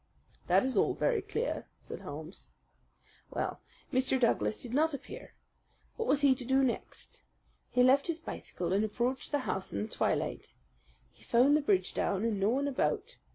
"That is all very clear," said Holmes. "Well, Mr. Douglas did not appear. What was he to do next? He left his bicycle and approached the house in the twilight. He found the bridge down and no one about.